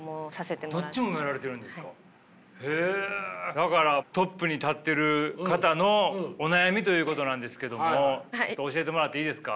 だからトップに立ってる方のお悩みということなんですけども教えてもらっていいですか。